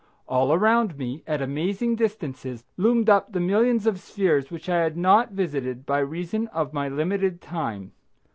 All around me, at amazing distances, loomed up the millions of spheres which I had not visited by reason of my limited time.